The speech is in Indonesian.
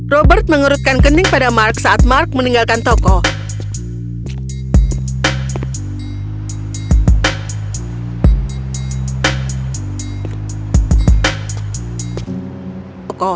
robert mengurutkan kening pada mark saat mark meninggalkan tokoh